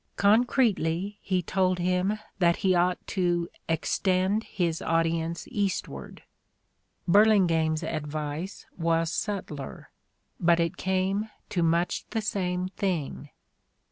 Concretely he told him that he ought to '' extend his audience eastward." Burlingame's advice was sub tlei', but it came to much the same thing.